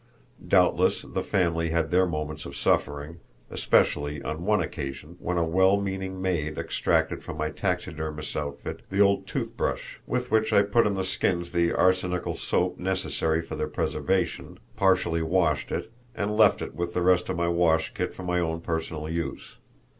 Doubtless the family had their moments of suffering especially on one occasion when a well meaning maid extracted from my taxidermist's outfit the old tooth brush with which I put on the skins the arsenical soap necessary for their preservation, partially washed it, and left it with the rest of my wash kit for my own personal use.